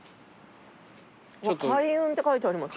開運って書いてあります。